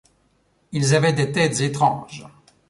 Ils avaient des têtes étranges.